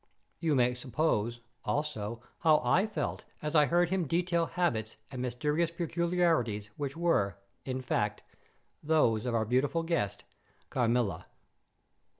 You may suppose, also, how I felt as I heard him detail habits and mysterious peculiarities which were, in fact, those of our beautiful guest, Carmilla!